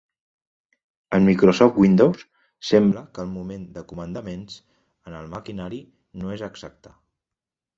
En Microsoft Windows, sembla que el moment de comandaments en el maquinari no és exacta.